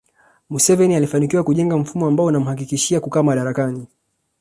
Museveni alifanikiwa kujenga mfumo ambao unamhakikishia kukaa madarakani